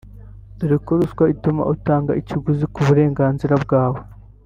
dore ko ruswa ituma utanga ikiguzi ku burenganzira bwawe